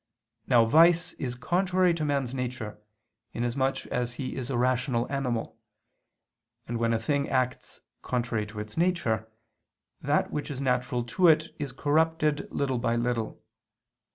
Now vice is contrary to man's nature, in as much as he is a rational animal: and when a thing acts contrary to its nature, that which is natural to it is corrupted little by little.